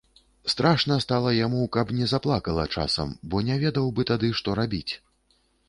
Страшна стала яму, каб не заплакала часам, бо не ведаў бы тады, што рабіць.